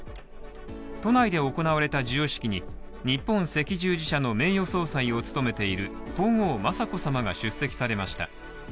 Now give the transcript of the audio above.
都内で行われた授与式に、日本赤十字社の名誉総裁を務めている皇后・雅子さまが出席されました。